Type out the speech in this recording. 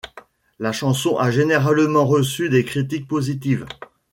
La chanson a généralement reçu des critiques positives.